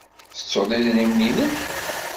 Tettuḍ idrimen-nnem?